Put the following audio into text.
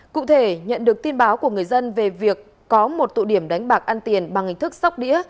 cụ thể nhận được tin báo của người dân về việc có một tụ điểm đánh bạc ăn tiền bằng hình thức sóc đĩa